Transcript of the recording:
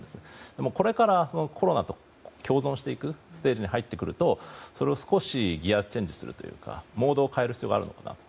でも、これからコロナと共存していくステージに入ってくるとそれを少しギアチェンジするというかモードを変える必要があるのかなと。